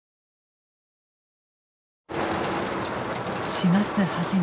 ４月初め。